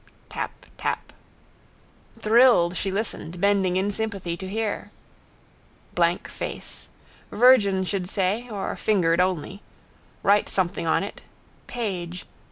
Tap. Tap. Thrilled she listened, bending in sympathy to hear. Blank face. Virgin should say: or fingered only. Write something on it: page.